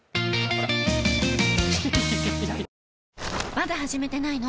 まだ始めてないの？